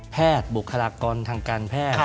แพทย์บุคลากรทางการแพทย์